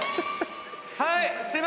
はい。